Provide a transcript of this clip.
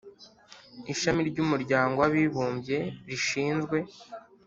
ishami ry'umuryango w'abibumbye rishinzwe